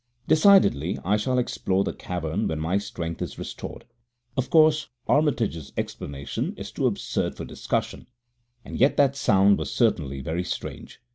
Decidedly I shall explore that cavern when my strength is restored. Of course, Armitage's explanation is too absurd for discussion, and yet that sound was certainly very strange.